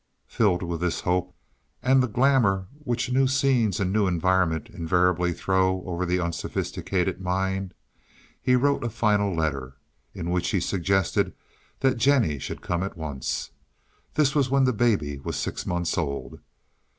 Filled with this hope and the glamor which new scenes and new environment invariably throw over the unsophisticated mind, he wrote a final letter, in which he suggested that Jennie should come at once. This was when the baby was six months old.